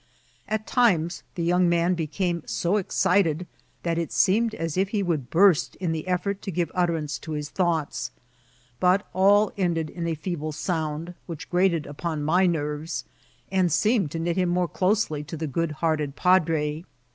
At times the yomig man became so excited that it seemed as if he wookl burst in the eflfort to give utteranee to his thoughts; but all ended in a feeble sounds which grated upon my nerves, and seem* ed to knit him more dosely to the good hearted padre.